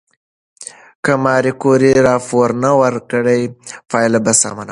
که ماري کوري راپور نه ورکړي، پایله به ناسم وي.